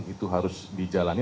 itu harus dijalani